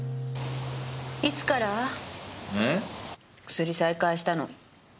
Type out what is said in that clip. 薬再開したの。